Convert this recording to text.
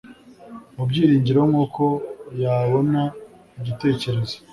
mu byiringiro nkuko yabona igitekerezo